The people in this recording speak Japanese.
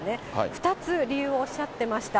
２つ理由をおっしゃってました。